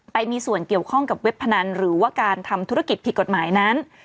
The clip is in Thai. ไปมีส่วนเกี่ยวข้องกับเว็บพนันหรือว่าการทำธุรกิจผิดกฎหมายนั้น